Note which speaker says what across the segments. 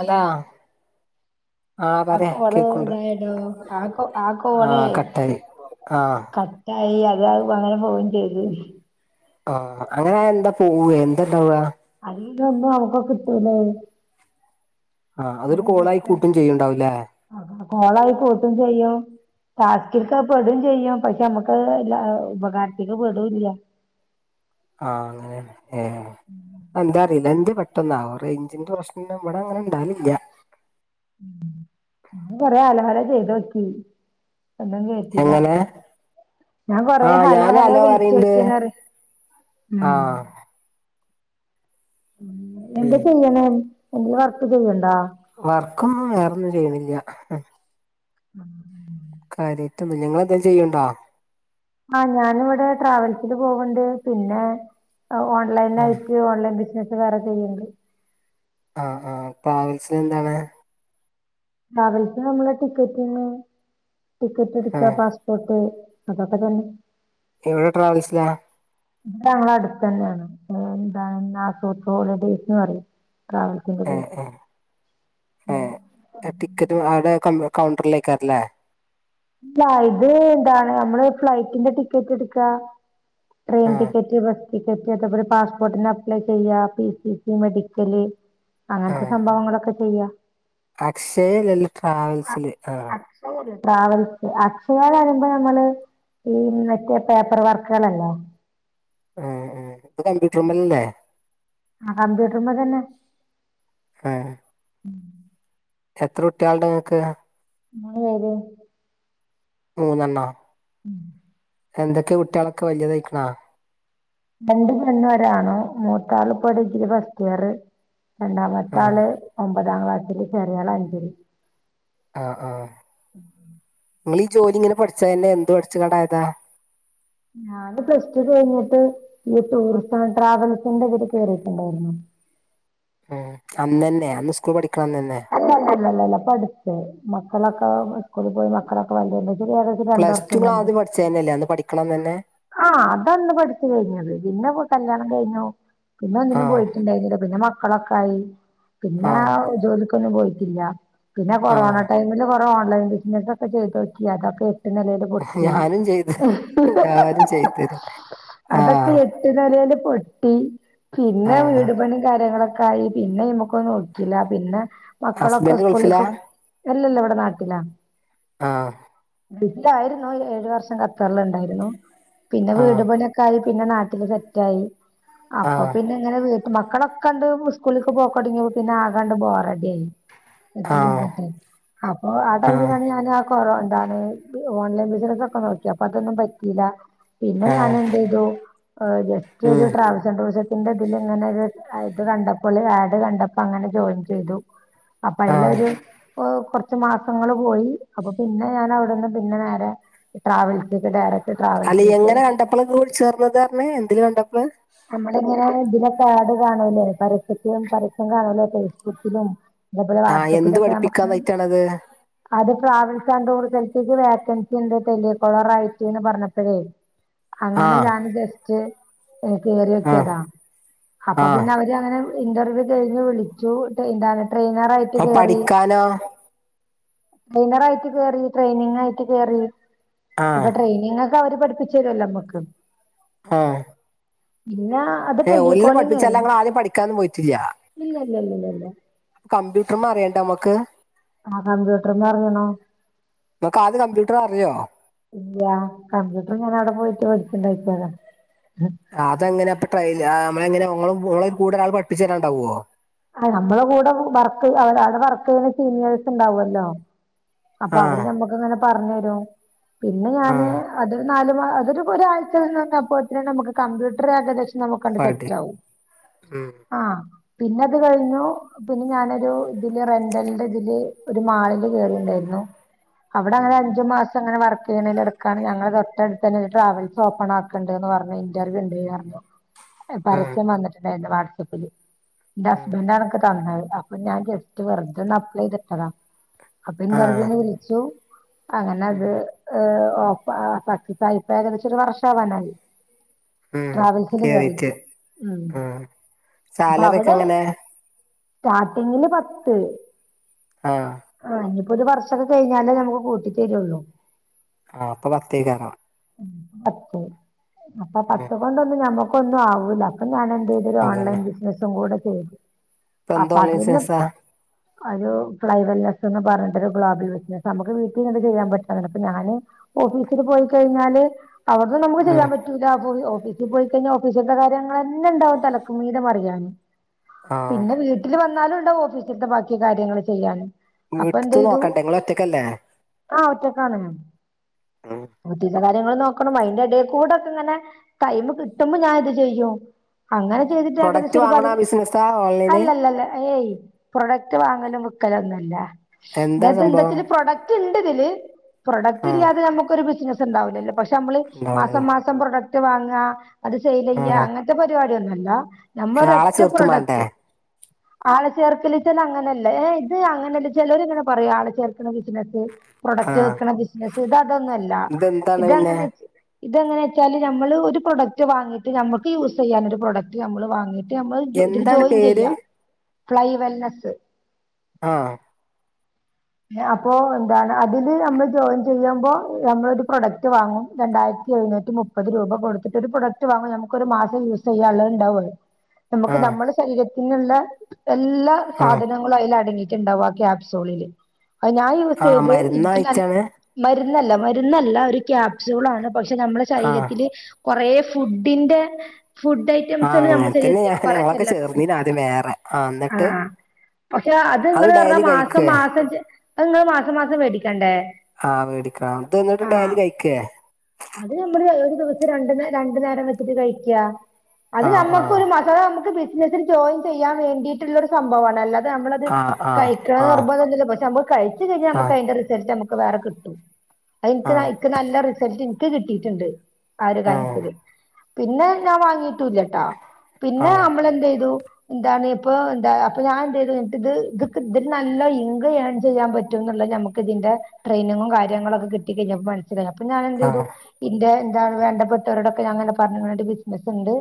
Speaker 1: അലാ.
Speaker 2: ഹലോ
Speaker 1: ആഹ് പറയെ
Speaker 2: ആക്കെ ഓള്
Speaker 1: കേക്കുണ്ട്
Speaker 2: ഇതായടോ ആക്ക ആക്കോളെ
Speaker 1: ആഹ് കട്ടായി. ആഹ്.
Speaker 2: റ്റായി അത് അത് അങ്ങനെ പോവും ചെയ്ത്.
Speaker 1: ആഹ് അങ്ങനായ എന്താ പോവ്വേ എന്താണ്ടാവ്ആ?
Speaker 2: അയ്ലെന്നും നമുക്ക് കിട്ടൂലേ.
Speaker 1: ആഹ് അതൊരു കോളായി കൂട്ടും ചെയ്യുണ്ടാവുംലെ.
Speaker 2: കോളായിക്കൂട്ടും ചെയ്യും. ടാസ്കിൽക്ക് അഅ്‌ പെടും ചെയ്യും പക്ഷെ മ്മക്കഅ്‌ ഉപകാര്ത്തിക്ക് പെടുല്ല്യാ.
Speaker 1: ആഹ് അങ്ങനെ ഏഹ് അന്താ അറീലാ എന്തേ പ ട്ടന്നാവോ റൈഞ്ചിന്റെ പ്രശ്നം ഇവടെ അങ്ങനെണ്ടാവലില്ല്യാ.
Speaker 2: ഞാൻ കൊറെ ഹലോ ഹലോ ചെയ്തോക്കി ഒന്നും കേ
Speaker 1: എങ്ങനെ?
Speaker 2: ഞാൻ കൊറെ
Speaker 1: ആ
Speaker 2: ഹലോ
Speaker 1: ഞാന്
Speaker 2: ഹലോ
Speaker 1: പറയണ്ട്
Speaker 2: വിളിച്ചോക്കീന്നറേ
Speaker 1: ആ
Speaker 2: ഉം. എന്താ
Speaker 1: ഉം
Speaker 2: ചെയ്യണ് എന്തെലും വർക്ക് ചെയ്യ്ണ്ടോ?
Speaker 1: വർക്കൊന്നും വേറൊന്നും ചെയ്യ്ണില്ല്യാ.
Speaker 2: [unintelligible]
Speaker 1: കാര്യയിട്ടൊന്നുല്ല്യാ ഇങ്ങളെന്തേലും ചെയ്യ്ണ്ടോ?
Speaker 2: ആഹ് ഞാന് വടെ ട്രാവൽസില് പോവ്ണ്ട് പിന്നെ ഔ ഓൺലൈൻ ആയി യി ഓൺലൈൻ ബിസ്നസ് വേറെ ചെയ്യ്ണ്ട്.
Speaker 1: ആഹ് ആഹ്, പാവൽസില് എന്താവടെ?
Speaker 2: ട്രാവൽസില് ന്നമ്മള് ടിക്കറ്റിന്ന്
Speaker 1: ആ
Speaker 2: ടിക്കറ്റ്ട്ക്കാ പാസ്പോർട്ട്. അതൊക്കെ തന്നെ.
Speaker 1: എവടെ ട്രാവൽസിലാ?
Speaker 2: ത് ഞങ്ങള അടുത്തന്നെണ് ന്താ [unintelligible] ഹോളിഡേയ്സ്ന്ന് പറയും ട്രാവൽ
Speaker 1: ഏഹ് ഏഹ് ഏഹ് ടിക്കറ്റ് [unintelligible] കൗ കൗണ്ടർലേക്കാര്ലെ?
Speaker 2: ഇല്ല ഇത് എന്താണ് ന്നമ്മള് ഫ്ലൈറ്റിന്റെ ടിക്കറ്റ്ട്ക്കാ ട്രെയിൻ
Speaker 1: ആഹ്
Speaker 2: ടിക്ക റ്റ് ബസ്ടിക്കറ്റ് ഒക്കെ ഇവടെ പാസ്പോർട്ടിന് അപ്ലൈ ചെയ്യാ പി സി സി മെഡിക്കല് അങ്ങൻത്തെ സംഭവങ്ങളൊക്കെ ചെയ്യാ.
Speaker 1: അക്ഷയല്ലല്ലോ ട്രാവൽസില് ആഹ്.
Speaker 2: [unintelligible] ട്രാവൽ അക്ഷയാ ന്നറയുമ്പോ ഞമ്മള് ഈ മറ്റേ പേപ്പർ വർക്ക്ളല്ലേ.
Speaker 1: ആഹ് ആഹ്, ഇത് കമ്പ്യൂട്ടർമ്മലല്ലേ?
Speaker 2: ആഹ് കമ്പ്യൂട്ടർമ തന്നെ.
Speaker 1: ഏഹ്. എത്രട്ട്യാള്ണ്ട് ഇങ്ങക്ക്?
Speaker 2: മൂന്ന് പേര്.
Speaker 1: മൂന്നണ്ണോ?
Speaker 2: ഉം
Speaker 1: എന്തൊക്കെ കുട്ടിയാളൊക്കെ വലിയതായിക്കണോ
Speaker 2: രണ്ട് പെണ്ണോരാണും മൂത്താള് ഇപ്പൊ ഡിഗ്രി ഫസ്റ്റ് ഇയർ രണ്ടാമത്തെ
Speaker 1: ആഹ്
Speaker 2: ആള് ഒമ്പതാം ക്ലാസ്സില് ചെറിയ ആൾ അഞ്ചില്
Speaker 1: ആഹ് ആഹ് നീങ്ങള് ഈ ജോലി ഇങ്ങനെ പഠിച്ചാ ന്നെ എന്തു പഠിച്ച്ക്കാണ്ട് ആയതാ
Speaker 2: ഞാന് പ്ലസ്ടു കഴിഞ്ഞിട്ട് ഈ ടൂറിസം ആൻഡ് ട്രാവൽസിന്റെ ഇതിൽ കയറിയിട്ടുണ്ടായിരുന്നു
Speaker 1: ആഹ് അന്നന്നെ അന്ന് സ്കൂൾ പഠിക്കണം അന്ന്ന്നെ
Speaker 2: അല്ല അല്ല അല്ല ല്ലല്ലാ പടുത്ത് മക്കളൊക്കെ സ്കൂൾ പോയി മക്കളെ [unintelligible]
Speaker 1: പ്ലസ് ടു ക് ആദ്യം പഠിച്ച തന്നല്ലേ അന്ന് പഠിക്കണംന്ന് തന്നെ
Speaker 2: ആഹ് അതാണ് പഠിച്ചു കഴിഞ്ഞത് പിന്നെ കല്യാണം കഴിഞ്ഞു പിന്നെ ഒന്നിനും
Speaker 1: ആഹ്
Speaker 2: പോയിട്ടുണ്ടായിരുന്നില്ല പിന്നെ മക്കളൊക്കെ ആയി പിന്നെ
Speaker 1: ആഹ്
Speaker 2: ജോലി ക്കൊന്നും പോയിട്ടില്ല പിന്നെ കൊറോണ
Speaker 1: ആഹ്
Speaker 2: ടൈമില് കൊറ ഓൺലൈൻ ബിസിന ഒക്കെ ചെയ്ത് നോക്കി അതൊക്കെ എട്ട് നിലയിൽപൊട്ടി
Speaker 1: ഞാനും ചെയ്ത് എല്ലാരും ചെയ്തത്
Speaker 2: അതൊക്കെ
Speaker 1: ആഹ്
Speaker 2: എട്ട് നിലൽ പൊട്ടി പിന്നെ
Speaker 1: ആഹ്
Speaker 2: വീട് പണിയും കാര്യങ്ങളൊക്കെ ക്കായി പിന്നെ നമ്മക്കൊ ഒടുക്കില്ല പിന്നെ മക്കളൊക്കെ
Speaker 1: ഹസ്ബൻഡ് ഗൾഫിലാ
Speaker 2: സ്കൂളിലക്ക് അല്ലല്ല ഇവിടെ നാട്ടിലാ
Speaker 1: ആഹ്
Speaker 2: ഗൾഫിലായിരുന്നു ഏഴു വർഷം കത്തറില ഉണ്ടായിരുന്നു പിന്നെ വീട്
Speaker 1: ആഹ്
Speaker 2: പണക്കായി പിന്നെ നാട്ടില് സെറ്റായി അപ്പൊ
Speaker 1: ആഹ്
Speaker 2: പിന്നെ ഇങ്ങനെ വീട്ട മക്കളൊക്ക കണ്ട് സ്കൂളിലെ പോക്ക തുടങ്ങിയ പിന്നെ ആകാണ്ട് ബോറടിയി തട്ട
Speaker 1: ആഹ്
Speaker 2: തെട്ട അപ്പൊ ആ
Speaker 1: ആഹ്
Speaker 2: ടൈമിലാണ് ഞാൻ കൊറ എന്താണ് ഓൺലൈൻ ബിസിന ഒക്കെ നോക്കി അപ്പൊ അതൊന്നും പറ്റിയില്ല പിന്നെ ഞാൻ
Speaker 1: ആഹ്
Speaker 2: എന്ത് ചെയ്തു ജസ്റ്റ് ഒരു
Speaker 1: ഉം
Speaker 2: ടാവസം ടുറി സത്തിന്റെ ഇതിൽ ഇങ്ങനെ ഇത് കണ്ടപ്പോള്ആഡ് കണ്ട അപ്പ അങ്ങനെ ജോയിം ചെയ്തു അപ്പൊ
Speaker 1: ആഹ്
Speaker 2: അതിലരു കുറച്ചു മാസങ്ങള് പോയി അപ്പൊ പിന്നെ ഞാൻ അവിടുന്ന് പിന്നെ നേരെ ട്രാവൽസ്ക്ക് ഡയറക്
Speaker 1: അല്ല എങ്ങനെ കണ്ടപ്പളൊക്കെ നിങ്ങള് വിളിച്ചേർന്നത് പറഞ്ഞെ എന്തില് കണ്ടപ്പള്
Speaker 2: നമ്മള ഇങ്ങനെ ഇതില ആട് കാണൂലേ പരസ്യത്തിലും പരസ്യം കാണല്ലോ ഫേസ്ബുക്കിലും അതേ പോലെ
Speaker 1: ആഹ് എന്ത്
Speaker 2: വാട്ട്സപ്പിലൊക്കെ നമക്ക്
Speaker 1: പഠിപ്പിക്കാനായിട്ടാണത്
Speaker 2: അത് ട്രാവൽസ് ആൻഡ് ടൂസിലേക്ക് വേക്കൻസി ഉണ്ട് ടെലികോളറായിറ്റി എന്ന് പറഞ്ഞപ്പോഴേ അങ്ങനെ
Speaker 1: ആഹ്
Speaker 2: ഞാൻ ജസ്റ്റ്
Speaker 1: ആഹ്
Speaker 2: കേറിനോക്കിയതാ അപ്പൊ
Speaker 1: ആഹ്
Speaker 2: പിന്നെ അവര് അങ്ങനെ ഇന്റർവ്യൂ കഴിഞ്ഞ് വിളിച്ചുന്ത ട്രെയിനർയിട്ട്
Speaker 1: അപ്പൊ
Speaker 2: കേറി
Speaker 1: പഠിക്കാനോ
Speaker 2: ട്രെയിനറായിട്ട് കേറി ട്രെയിനിങ്ങ് ആയിട്ട്
Speaker 1: ആഹ്
Speaker 2: കേറിഅപ്പൊ ട്രെയിനിങ്ങ് അവര് പഠിപ്പിച്ചേരല്ലോ നമ്മുക്ക്
Speaker 1: ആഹ്
Speaker 2: പിന്നാ
Speaker 1: ഏ ഒലിന പഠിപ്പിച്ചാലല്ല നിങ്ങളാ ആദ്യം പഠിക്കാനൊന്നും പോയിട്ടില്ല
Speaker 2: ഇല്ലല്ലല്ലല്ലല്ല
Speaker 1: കമ്പ്യൂട്ടർ അറിയണ്ട നമുക്ക്
Speaker 2: ആഹ് കമ്പ്യൂട്ടർമ്മ അറിയണം
Speaker 1: നിനക്ക ആദ്യ കമ്പ്യൂട്ടർ അറിയോ
Speaker 2: ഇല്ല കമ്പ്യൂട്ടർ ഞാൻ അവിടെ പോയിട്ട് പഠിച്ചിണ്ടാക്കിയതാ
Speaker 1: ആ അതങ്ങനെ അപ്പൊ ട്രെയി കൂടെ ഒരാൾ പഠിപ്പിച്ചു തരാണ്ടാവോ
Speaker 2: ആ നമ്മള് കൂടെ വർക്ക് അവ അവടെ വർക്ക് ചെയ്യുന്ന സീനിയേഴ്സ് ഉണ്ടാവോല്ലോ അപ്പൊ അവിര്
Speaker 1: ആഹ്
Speaker 2: ഞമ്മക്ക് അങ്ങനെ പറഞ് തരും പിന്നെ ഞാന്
Speaker 1: ആഹ്
Speaker 2: അത് നാല് മാ അതൊരു പൊ ഒരാഴ്ച നിന്നപ്പോതിനന്നെ നമുക് കമ്പ്യൂട്ടറേഏകദേ നമുക്കണ്ട്
Speaker 1: പഠി
Speaker 2: സെറ്റാവും ആഹ് പിന്നത് കഴിഞ്ഞു പിന്നെ ഞാനൊരു ഇതില് റെന്റലിന്റെ ഇതില് ഒരു മാളില് കേയറിണ്ടായിരുന്നു അവിടങ്ങനെ അഞ്ചു മാസ ങ്ങനെ വർക്ക്ബ് ഇയ്യുന്നതിലെടക്കാണ് ഞങ്ങളെ തൊട്ടടുത്തന്നെ ഒരു ട്രാവൽസഓപ്പൺ ആക്ക്ണ്ട്ന്നറഞ്ഞു ഇന്റർവ്യു ഇണ്ട് പറഞ്ഞു
Speaker 1: ആഹ്
Speaker 2: പരസ്യം വന്നിട്ട്ണ്ടായിരുന്നു വാട്സആപ്പില് എന്റെ ഹസ്ബൻഡാ ഇതൊക്കെ തന്നത് അപ്പൊ ഞാൻ ജസ്റ്റ് വെറുതൊന്ന് അപ്ലെയ്തിട്ടതാ അപ്പൊ ഇന്റർവ്യൂ
Speaker 1: ആഹ്
Speaker 2: അങ്ങനെ അത് ഏ ഓപ്പ സക്സ്സസ്സായി ഇപ്പോ ഏകദേശം ഒരു വർഷാവാനായി
Speaker 1: ഉം
Speaker 2: ട്രാവൽസില്
Speaker 1: കേറീറ്റ്
Speaker 2: കേറിറ്റ്
Speaker 1: ആഹ്
Speaker 2: ഇപ്പൊ
Speaker 1: സാലറി ഒക്കെ
Speaker 2: അവിടെ
Speaker 1: എങ്ങനെ
Speaker 2: സ്റ്റാർട്ടിങ്ങിന് പത്ത്
Speaker 1: ആഹ്
Speaker 2: ആ ഇനിപ്പൊ ഒരു വർ- ഷോകെ കയിഞ്ഞാലേ നമുക്ക് കൂട്ടി തരോള്ളൂ
Speaker 1: ആഹ് അപ്പൊ പത്തയ്ക്കാരം
Speaker 2: പത്ത് അപ്പൊ
Speaker 1: ഉം
Speaker 2: പത്ത് കൊണ്ടൊന്നും ഞമ്മക്കൊന്നും ആവൂല്ല അപ്പൊ ഞാൻ എ [unintelligible] ഓൺലൈൻ
Speaker 1: അതന്നെ
Speaker 2: ബിസിനസും കൂടെ ചെയ്തു.
Speaker 1: ഇപ്പ എന്ത്
Speaker 2: അപ്പൊ
Speaker 1: ഓൺലൈൻ
Speaker 2: അതിന്
Speaker 1: ബിസിനസാ
Speaker 2: ഒരു ഫ്ലൈവെല്ലസ്ന്ന്പറഞ്ഞിട്ടൊരു [unintelligible] നമുക്ക് വീട്ടിൽ ചെയ്യാൻ പറ്റ്ണതാണ് അപ്പൊ ഞാന് ഓഫീസില് പോയി കയിഞ്ഞാല് അവട്‌ന്നും നമുക്ക് ചെയ്യാൻ
Speaker 1: ഉം
Speaker 2: പറ്റും ഓഫീസിൽ പോയി കഴിഞ്ഞാൽ ഓഫീസിത്തെ കാര്യങ്ങളെന്നെ ണ്ടാവും തലക്ക് മീതെ മറിയാന്
Speaker 1: ആഹ്
Speaker 2: പിന്നെ വീട്ടില് വന്നാലുംണ്ടാവും ഓഫീസിൽത്തെ ബാക്കി കാര്യങ്ങള് ചെയ്യാന് അപ്പൊ എന്ത്
Speaker 1: വീട്ട്ത്തെ
Speaker 2: ചെയ്തു
Speaker 1: നോക്കാണ്ടെ ഇങ്ങള് ഒറ്റയ്ക്കല്ലേ?
Speaker 2: ആഹ് ഒറ്റക്കാണ്
Speaker 1: ഉം
Speaker 2: ങ്ങള്നോക്കണം അയിന്റെ എടെ കൂടെക്കെ ഇങ്ങനെ ടൈമ് കിട്ടുമ്പോ ഞാൻ ഇത് ചെയ്യും. അങ്ങനെ ചെയ്തിട്ട് ഏകദേശം
Speaker 1: പ്രൊഡക്റ്റ്
Speaker 2: ഒരു
Speaker 1: വാങ്ങണ
Speaker 2: പതിന
Speaker 1: ബിസിനസാ ഓൺലൈന്
Speaker 2: അല്ലല്ലല്ല ഏയ് പ്രൊഡക്റ്റ് വാങ്ങലും വിക്കലൊന്നല്ല
Speaker 1: എന്താ
Speaker 2: ഇത്
Speaker 1: സംഭവം
Speaker 2: എന്താച്ചാല് പ്രൊഡക്റ്റ് പ്രൊഡക്ട് ഇണ്ട്തില് പ്രൊഡക്റ്റ്
Speaker 1: ആഹ്
Speaker 2: ഇല്ലാതെ നമുക്കൊരു ബിസിനസ് ഇണ്ടാവില്ലല്ലോ പക്ഷെ ഞമ്മള്
Speaker 1: ഉണ്ടാവുലല്ലേ
Speaker 2: മാസം മാസ പ്രൊഡക്ട് വാങ്ങ അത് സെയിലയ്യാ
Speaker 1: ആഹ്
Speaker 2: അങ്ങനത്തെ പരിപാടിയൊന്നല്ല ഞമ്മളെ
Speaker 1: ആളെ
Speaker 2: ഒരൊറ്റ
Speaker 1: ചേർത്തും മാണ്ടേ
Speaker 2: പ്രൊഡക്റ്റ് ആളെ ചേർക്കല് ചില അങ്ങനെയല്ല ഇത് അങ്ങനെയല്ല ചെലൊര് ഇങ്ങന പറയുആളെ ചേർക്ണബിസിനസ്സ് പ്രൊഡക്റ്റ്
Speaker 1: ആഹ്
Speaker 2: വിക്കണ ബിസിനസ്സ് ഇത് അതൊന്നല്ല
Speaker 1: ഇതെന്താണ് പിന്നെ
Speaker 2: ഇതങ്ങനെ ഇതെങ്ങനെച്ചാല് ഞമ്മള് ഒരു പ്രൊഡക്ട് വാങ്ങിയിട്ട് ഞമ്മക്ക് യൂസ്യ്യാൻ ഒരു പ്രൊഡക്ട് ഞമ്മള് വാങ്ങിയിട്ട് ന്നിട്ട് നമ്മള്
Speaker 1: എന്താണ്
Speaker 2: ഇതില്ജോയിൻ
Speaker 1: പേര്
Speaker 2: ചെയ്യാ ഫ്ലൈ വെല്ലസ് -
Speaker 1: ആഹ്
Speaker 2: അപ്പൊ എന്താണ് അതില് ഞമ്മള് ജോയിൻ ചെയ്യുമ്പോ നമ്മളൊരു പ്രൊഡക്റ്റ് വാങ്ങും രണ്ടായിരത്തി എഴുന്നൂറ്റി മുപ്പ മുപ്പത് രൂപ കൊടുത്തിട്ട് ഒരു പ്രൊഡക്റ്റ് വാങ്ങുംനമുക്ക് ഒരു മാസം യൂസ് ചെയ്യാനുള്ളത് ഇണ്ടാവും അത് - നമുക്ക്
Speaker 1: ആഹ്
Speaker 2: നമ്മുടെ ശരീരത്തിനുള്ള എല്ലാ
Speaker 1: ആഹ്
Speaker 2: സാധന ങ്ങളും അയില് അടങ്ങിട്ടുണ്ടാവും ആ കിയാപ്സൂളില് അഹ് ഞാൻ
Speaker 1: ആഹ്
Speaker 2: യൂസ്യ്ത് ഇനിക്ക്നല്ല
Speaker 1: മരുന്നായിറ്റാണ്
Speaker 2: - മരുന്നല്ല മരുന്നല്ല ഒരുകിയാപ്സൂളാണ് പക്ഷെ നമ്മള
Speaker 1: ആഹ്
Speaker 2: ശരീരത്തില് കൊറെ ഫുഡിന്റെ ഫുഡ് റ്റംമ്
Speaker 1: ആ
Speaker 2: സ് നമ്മളെ
Speaker 1: അങ്ങനെ തന്നെ ഞാൻ
Speaker 2: ശരീരത്തിലേക്ക്
Speaker 1: ഞങ്ങളൊക്കെ
Speaker 2: കൊറെച്ചല്ലാത്ത
Speaker 1: ചേർന്നില്ല ആദ്യം വേറെ ആ എന്നിട്ട്
Speaker 2: പക്ഷെ അത് നിങ്ങള് പറഞ്ഞാ
Speaker 1: ഡയലി
Speaker 2: മാസം
Speaker 1: കഴിക്കേ
Speaker 2: മാസം നിങ്ങള് മാസം മാസം മേടിക്കണ്ടേ?
Speaker 1: ആഹ് മേടിക്കണം അത് എന്നിട്ട് ഡെയലി കഴിക്കേ?
Speaker 2: അത് നമ്മള് ഒരു ദിവസം രണ്ടു രണ്ടു നേരം വെച്ചിട്ട് കഴിക്ക അത്
Speaker 1: ആ ആ
Speaker 2: നമ്മുക്ക് ഒര്മട് [unintelligible] നമുക്ക് ബിസിനസ്സിൽ ജോയിൻ ചെയ്യാൻ വേണ്ടിയിട്ടുള്ള ഒരു സംഭവാണ് അല്ല നമ്മളത്
Speaker 1: ആ ആ ആ
Speaker 2: കഴിക്കണംനിർബന്ധന്നുല്ല പക്ഷെ നമ്മള് അത് കഴിച്ച്കയിഞ്ഞൽ
Speaker 1: ആ
Speaker 2: നമുക്കതിന്റെ റിസൾട്ട് ന വേറെ കിട്ടും അ ഇനൻക്ക്
Speaker 1: ആ
Speaker 2: ഇൻക്ക് നല്ല റിസൾട്ട് ഇൻക്ക് കിട്ടീട്ടുണ്ട്. ആ ഒരു കാര്യത്തില് പിന്നെ ഞാൻ വാങ്ങിട്ടുല്ലട്ടാ
Speaker 1: ആ
Speaker 2: പിന്നെ നമ്മള് എന്ത്യ്തു എന്താണ് ഇപ്പൊ എന്താ അപ്പൊ ഞാൻ എന്ത് ചെയ്ത് ഇത് ഇതിൽ നല്ലഇൻഗ ഏൺചെയ്യാൻ പറ്റു എന്നുള്ള നമക്ക് ഇതിന്റെട്രെയിനിങ്ങും കാര്യങ്ങളൊക്കെ കിട്ടികഴിഞ്ഞപ്പോ മന അപ്പൊ ഞാൻ എന്ത്
Speaker 1: ആ
Speaker 2: ചെയ്തു ഇന്റെ എന്താ വേണ്ടപ്പെട്ടവരടൊക്കെ ഞാൻപറഞ്ങ്ങാണ്ട് ബിസിനസ്ണ്ട്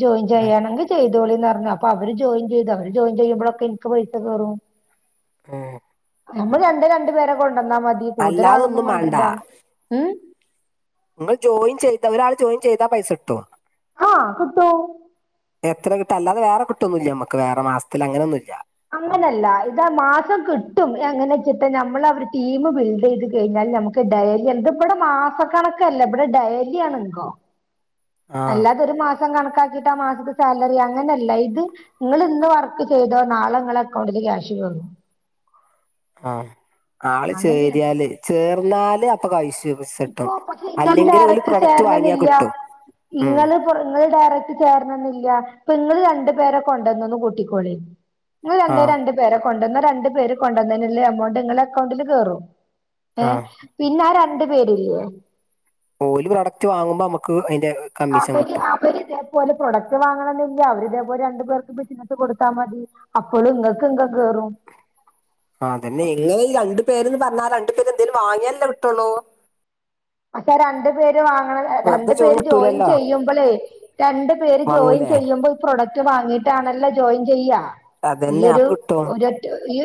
Speaker 2: ജോയിൻ ചെയ്യയാണെങ്കിൽ ചെയ്തോളിന്ന് പറഞ്ഞു. അപ്പോ അവര് ജോയിൻ ചെയ്തു. അവര് ജോയിൻ ചെയ്യുമ്പോഴൊക്കെ എനിക്ക് പൈസ കേറും
Speaker 1: ഏഹ
Speaker 2: നമ്മള്‌രണ്ടേരണ്ടു പേരെ കൊണ്ടന്നാമതി
Speaker 1: അല്ലാതെ ഒന്നും വേണ്ട
Speaker 2: കൂടുതലാളകൊണ്ടരണ്ട ഉ
Speaker 1: നിങ്ങൾ ജോയിൻ ചെയ്ത ഒരാൾ ജോയിൻ ചെയ്താ പൈസ കിട്ടും.
Speaker 2: ആഹ കിട്ടും
Speaker 1: എത്ര കിട്ടു അല്ലതെ വേറെ കിട്ടൊന്നുല്ല നമ്മക്ക് വേറെ മാസത്തിൽ അങ്ങനൊന്നുല്ല.
Speaker 2: അങ്ങനല്ല ഇതമാസം കിട്ടും എങ്ങനെ വെച്ചിട്ട് നമ്മൾ അവര് ടീം ബിൽഡ് ചെയ്ത് കഴിഞ്ഞാൽ നമക്ക് ഡയലി എത് ഇവടെ മാസക്കണക്കല്ല ഇവിടെ ഡയലിആണ് ഇങ്കം
Speaker 1: ആ
Speaker 2: അല്ലാതെ ഒരു മാസം കണക്കാക്കിട്ട് ആ മാസത്തെ സാലറി അങ്ങനെ അല്ല ഇത് ഇങ്ങള് ഇന്ന് വർക്ക് ചെയ്തോ നാളെ ഇങ്ങളെ അക്കൗണ്ടില് ക്യാഷ് കേറും.
Speaker 1: ആഹ് ആള്
Speaker 2: അങ്ങനെയാണ്
Speaker 1: ചേരിയാല് ചേർന്നാല് അപ്പൊ പൈസു
Speaker 2: ഇപ്പൊ പക്ഷെ ഇന്നും ഡയറക്റ്റ്
Speaker 1: വാങ്ങിയാൽ
Speaker 2: ചേരണെന്നില്ല
Speaker 1: കിട്ടും ഉം.
Speaker 2: ഇങ്ങള് നിങ്ങള് ഡയറക്ട് ചേരണംന്നില്ല. ഇപ്പൊ നിങ്ങള് രണ്ടു പേരെ കൊണ്ടുവന്നോന്ന് കൂട്ടിക്കോളി നിങ്ങള്
Speaker 1: ആ
Speaker 2: രണ്ടേ രണ്ടു പേരെ കൊണ്ടുവന്നോ രണ്ടു പേര് കൊണ്ട ന്നീനുള്ള എമൗണ്ട് നിങ്ങളെ അക്കൗണ്ടില് കേറും. ഏഹ്
Speaker 1: ആ
Speaker 2: പിന്നെ ആ രണ്ടു പേര്ല്ലേ
Speaker 1: ഓല് പ്രൊഡക്റ്റ് വാങ്ങുമ്പോ നമുക്ക് അയിന്റെ
Speaker 2: അവര് അവരി ഇതേപോലെ പ്രൊഡക്റ്റ് വാങ്ങണമെന്നില്ല അവരിതേപോലെ രണ്ടുപേർക്ക് ബിസ്നസ്സ് കൊടുത്താൽ മതി. അപ്പോളും ഇങ്ങക്ക് ഇൻഗം കേറും.
Speaker 1: ആഹ് തന്നെ ഇങ്ങള് രണ്ട് പേരന്ന് പറഞ്ഞാൽ രണ്ടു പേര് എന്തേലും വാങ്ങിയല്ലേ കിട്ടെള്ളൂ.
Speaker 2: രണ്ടു പേര് വാങ്ങണം
Speaker 1: വെറുതെ
Speaker 2: രണ്ടു
Speaker 1: ചോദ്യം
Speaker 2: പേര് ജോയിൻ
Speaker 1: കിട്ടൂലല്ലോ
Speaker 2: ചെയ്യുമ്പോളെ രണ്ട് പേര് ജോയിൻ
Speaker 1: വാങ്ങൂലേ
Speaker 2: ചെയ്യുമ്പോ ഈ പ്രൊഡക്റ്റ് വാങ്ങിയിട്ടാണല്ലോ ജോയിൻ ചെയ്യാ. ഈ
Speaker 1: അതന്നെ
Speaker 2: ഒരു
Speaker 1: അപ്പൊ കിട്ടും
Speaker 2: ഒരു ഒറ്റ് ഈ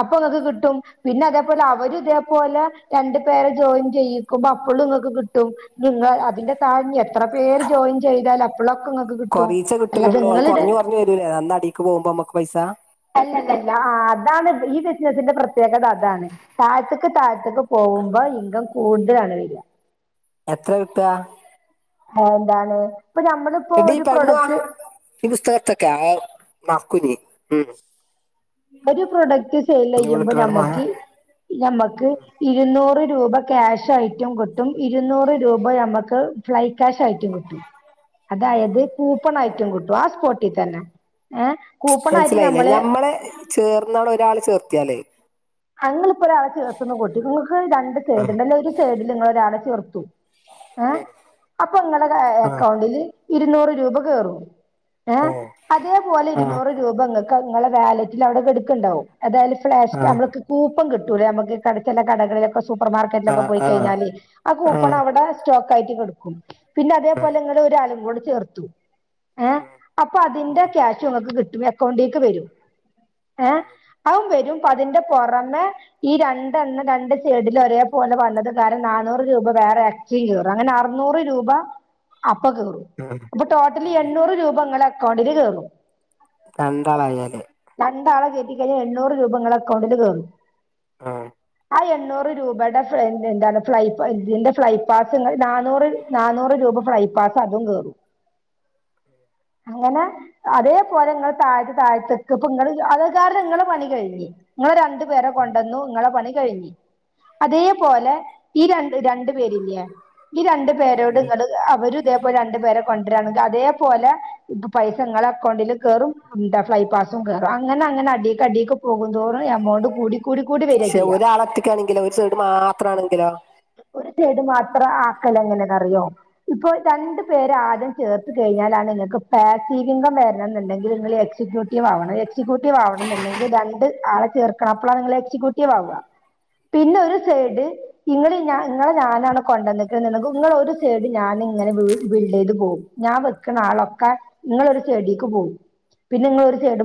Speaker 2: അപ്പൊ ഇങ്ങക്ക് കിട്ടും പിന്നെ അതേപോലെ അവര് ഇതേപോലെ രണ്ട് പേരെ ജോയിൻ ചെയ്യും. യ്യുമ്പോ അപ്പോളും നിങ്ങൾക്ക് കിട്ടും നിങ്ങളെ അതിന്റെ താഴ എത്ര പേര് ജോയിൻ ചെയ്താൽ അത അപ്പളൊക്കെ നിങ്ങക്ക് കിട്ടും
Speaker 1: കൊറീച്ചെ
Speaker 2: അല്ലാതെ
Speaker 1: കിട്ടുണൊള്ളൂ അത്
Speaker 2: ഇങ്ങളിത്
Speaker 1: കുറഞ്ഞ്കുറഞ്ഞു വരൂല്ലേ നന്ന അടിക്ക് പോക്മ്പോ നമുക്ക് പൈസ.
Speaker 2: അല്ല അല്ല ആ അതാണ് ഈ ബിസിനസിന്റെ പ്രത്യേകത അതാണ്. താഴത്ത്ക്ക് താഴത്ത്ക്ക് പോകുമ്പോ ഇങ്കം കൂടുതലാണ് വരാ
Speaker 1: എത്ര കിട്ടാ?
Speaker 2: എന്താണ് ഇപ്പൊ നമ്മളിപ്പോ
Speaker 1: എടീ
Speaker 2: ഒരു
Speaker 1: പെണ്ണുവാ
Speaker 2: പ്രൊഡക്റ്റ്
Speaker 1: ഈ പുസ്തകം ഇട്ത്തെക്കെ അഹ് മറ്‌ക്കുഞ്ഞി മ്
Speaker 2: ഒരു പ്രൊഡക്റ്റ് സെൽ ചെയ്യുമ്പോ
Speaker 1: ഇങ്ങോട്ട് കാണ പോയ
Speaker 2: നമ്മക്കി നമ്മക്ക് ഇരുന്നൂറ് രൂപ ക്യാഷായിട്ടും കിട്ടും. ഇരുന്നൂറ് രൂപ നമ്മക്ക് ഫ്ലൈ കാഷ് ആയിട്ടും കിട്ടും അതായത് കൂപ്പണായിറ്റും കിട്ടും ആ സ്പോട്ടിൽ തന്നെ. ഏഹ്
Speaker 1: മനസ്സിലായില്ലേ ഞമ്മളെ ചേർന്ന ഒരാള് ചേർത്തിയാല്
Speaker 2: അ ഞള് ഇപ്പൊരാളെ ചേർത്ത്ന്ന് കൂട്ടിക്കൊ ങ്ങക്ക് രണ്ട് സൈഡ്ണ്ട് അയ്ലൊരു സൈഡില് ങ്ങളൊരാളെ ചേർത്തു ഏഹ് അപ്പൊ ങ്ങളെ
Speaker 1: ആ
Speaker 2: എക്കൗണ്ടില് ഇരുന്നൂറ് രൂപ കേറും
Speaker 1: ആ
Speaker 2: ഏഹ്
Speaker 1: ആ
Speaker 2: അതേപോലെ ഇരുന്നൂറ് രൂപ ങ്ങക്ക് ങ്ങളെ വാലറ്റിലവടെ കെട്ക്ക്ണ്ടാവും അതാ ഫ്ലാഷ്
Speaker 1: ആ
Speaker 2: ഞമ്മൾക്ക് കൂപ്പം കിട്ടൂലേ ഞമ്മക്ക് കട ചെല കടകളിലൊക്കെ സൂപ്പർ മാർക്കറ്റിലൊക്കെ പോയി
Speaker 1: ആ
Speaker 2: കഴിഞ്ഞാല് ആ കൂപ്പൺ അവടെ സ്റ്റോക്കായിട്ട് കെട്ക്കും പിന്നെ
Speaker 1: ഉം
Speaker 2: അതേപോലെ ങ്ങള് ഒരാളേം കൂടെ ചേർത്തു ഏഹ്
Speaker 1: ഉം
Speaker 2: അപ്പതിന്റെ ക്യാഷ് ഷ് ഇങ്ങക്ക് കിട്ടും എക്കൗണ്ടിക്ക് വെരും ഏഹ് അതും വെരും അതിന്റെ പൊറമെ ഈ രണ്ടെണ്ണം രണ്ട് സൈഡില് ഒരേ പോലെ വന്നത് കാരണം നാന്നൂറ് രൂപ വേറെ ച്ചെയ്യോർ അങ്ങനെ അറുന്നൂറ് രൂപ അപ്പം കേറും
Speaker 1: ഉം
Speaker 2: അപ്പൊ ടോട്ടലി എണ്ണൂറ് രൂപ ങ്ങളെ എക്കൗണ്ടില് കേറും
Speaker 1: [unintelligible]
Speaker 2: രണ്ടാളെ കേറ്റിക്കയ്ഞ്ഞാ എണ്ണൂറ് രൂപ ങ്ങളെ എക്കൗണ്ടില് കേറും
Speaker 1: ആഹ്
Speaker 2: ആ എണ്ണൂറ് രൂപയുടെ ഫ്രെയിം എന്താണ് ഫ്ലൈ ഇതിന്റെ ഫ്ലൈപാസ് ങ്ങള് നാന്നൂറ് നാന്നൂറ് രൂപ ഫ്രൈപാസ് അതും കേറും അങ്ങനെ അതേപോലെ ങ്ങളെ താഴ്ത്ത് താഴ്ത്ത്ക്ക് ഇപ്പം ങ്ങള് അത് കാരണം ങ്ങളെ പണി കഴിഞ്ഞ് ങ്ങള് രണ്ടു പേരെ കൊണ്ടന്നു ങ്ങളെ പണി കഴിഞ്ഞി അതേപോലെ ഈ രണ്ട് രണ്ട് പേര്ല്ലേ ഈ രണ്ടു പേരോട് ങ്ങള് അവരും ഇതേപോലെ രണ്ടുപേരെ കൊണ്ട്രാണെങ്കില് അതേപോലെ ഇപ്പം പൈസ ങ്ങളെ എക്കൗണ്ടിലും കേറും [unintelligible] ഫ്ലൈ പാസും കേറും അങ്ങനങ്ങനെ അടിക്കടീക്ക് പോകുന്തോറും എമൗണ്ട് കൂടി കൂടി കൂടി വരാ
Speaker 1: പക്ഷെ
Speaker 2: ചെയ്യാ
Speaker 1: ഒരാള് ഒറ്റക്കാണെങ്കിലോ ഒരു സൈഡ് മാത്രാണെങ്കിലോ
Speaker 2: ഒരു സൈഡ് മാത്രം ആക്കലെങ്ങനെന്നറിയോ ഇപ്പൊ രണ്ട് പേരെ ആദ്യം ചേർത്ത് കഴിഞ്ഞാലാണ് ങ്ങക്ക് ഫാറ്റിവിങ്ങം വെരണംന്ന്ണ്ടെങ്കില് ങ്ങള് എക്സിക്യൂട്ടി ട്ടീവാവണം എക്സിക്യൂട്ടീവാവണംന്ന്ണ്ടെങ്കി രണ്ട് ആളെ ചേർക്കണം അപ്പളാണ് ങ്ങള് എക്സിക്യൂട്ടീവ് ആവ പിന്നെ ഒരു സൈഡ് ഇങ്ങള് ഇങ്ങളെ ഞാനാണ് കൊണ്ടന്ന്ക്ക്ണ് ണ്ടെങ്കി ഇങ്ങളെ ഒരു സൈഡ് ഞാന്ങ്ങനെ ബി ബിൽഡെയ്ത് പോം ഞാൻ വെക്ക്ണ ആളൊക്കെ ഇങ്ങളൊരു സൈഡീക്ക് പോം പിന്നെങ്ങളൊരു സൈഡ്